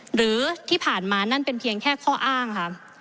หรือที่ผ่านมานั่นเป็นเพียงแค่ข้ออ้างค่ะ